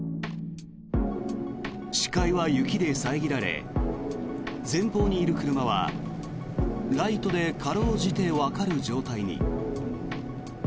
視界は雪で遮られ前方にいる車はライトで辛うじてわかる状態に。